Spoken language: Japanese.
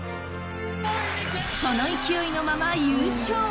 その勢いのまま優勝！